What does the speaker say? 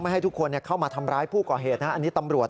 ให้ทุกคนเข้ามาทำร้ายผู้ก่อเหตุนะอันนี้ตำรวจ